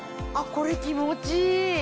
これ気持ちいい！